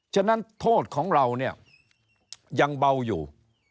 ฉะนั้นโทษของเราเนี่ยยังเบาอยู่